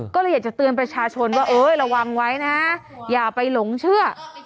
ก็เลยอยากจะเตือนประชาชนว่าเอ้ยระวังไว้นะอย่าไปหลงเชื่อ